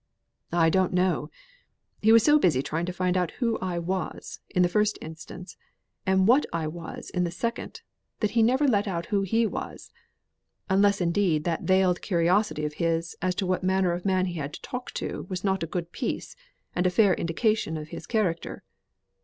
"I don't know. He was so busy trying to find out who I was, in the first instance, and what I was in the second, that he never let out what he was; unless indeed that veiled curiosity of his as to what manner of man he had to talk to was not a good piece, and a fair indication of his character.